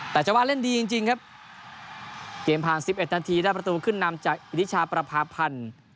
แต่ชาวานเล่นดีจริงจริงครับเกมผ่านสิบเอ็ดนาทีและประตูขึ้นนำจากอิจชาประพาพันธ์